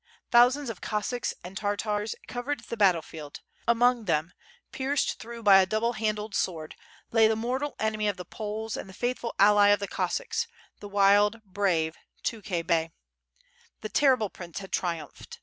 Thousands of Cassacks and Tar tars covered the battle field; among them, pierced through by a double handled sword, lay the mortal enemy of the Poles and the faithful ally of the Cossacks, the wild, brave Tukhay Bey. The terrible prince had triumphed.